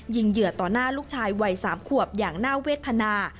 เหยื่อต่อหน้าลูกชายวัย๓ขวบอย่างน่าเวทนา